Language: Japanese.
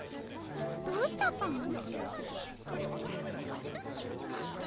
どうしたパム？